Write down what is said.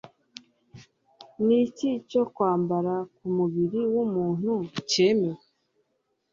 Niki cyo kwambara ku mubiri w'umuntu cyemewe?